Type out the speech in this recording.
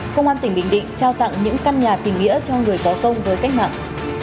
công an tỉnh bình định trao tặng những căn nhà tỉnh nghĩa cho người bó công với cách mạng